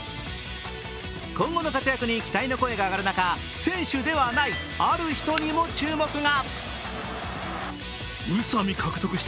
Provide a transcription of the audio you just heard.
今後の活躍に期待の声が上がる中、選手ではないある人にも注目が。